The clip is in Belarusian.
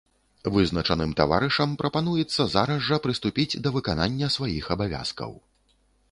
Вызначаным таварышам прапануецца зараз жа прыступіць да выканання сваіх абавязкаў.